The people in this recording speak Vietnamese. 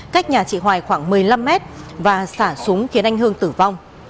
cách nhà chị hoài khoảng một mươi năm mét và xả súng khiến anh hương tử vong